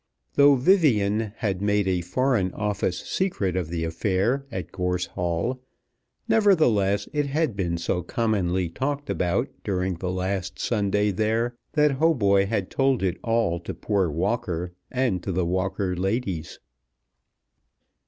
Though Vivian had made a Foreign Office secret of the affair at Gorse Hall, nevertheless it had been so commonly talked about during the last Sunday there, that Hautboy had told it all to poor Walker and to the Walker ladies.